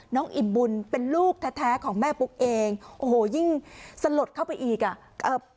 อิ่มบุญเป็นลูกแท้แท้ของแม่ปุ๊กเองโอ้โหยิ่งสลดเข้าไปอีกอ่ะเอ่อ